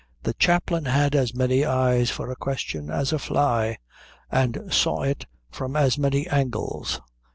The chaplain had as many eyes for a question as a fly, and saw it from as many angles.